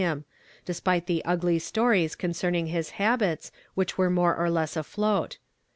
esp, te the ugly stories concerning his l,a,,il Inch were ,„ore or less afloat.